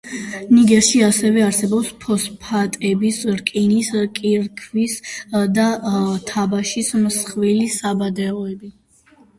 ნიგერში ასევე არსებობს ფოსფატების, რკინის, კირქვის და თაბაშირის მსხვილი საბადოები.